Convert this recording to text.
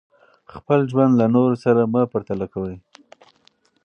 خپل ژوند له نورو سره مه پرتله کوئ.